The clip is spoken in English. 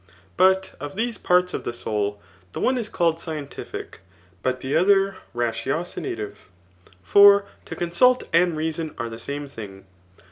But of these parts of th^ soul, the one is called scientific, t>ut the other ratiodnatiye ; for to consult and reason are the same thing.